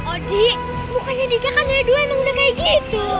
oh dik mukanya diknya kan dari dua emang udah kaya gitu